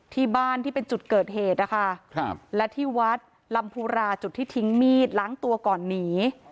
ที่บ้านที่เป็นจุดเกิดเหตุนะคะและที่วัดลำพูราจุดที่ทิ้งมีดล้างตัวก่อนหนี